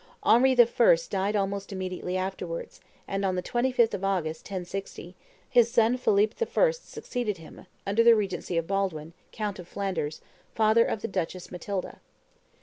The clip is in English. Henry I. died almost immediately afterwards, and on the 25th of August, 1060, his son Philip I. succeeded him, under the regency of Baldwin, count of Flanders, father of the Duchess Matilda.